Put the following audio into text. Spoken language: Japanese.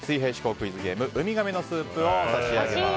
クイズゲームウミガメのスープを差し上げます。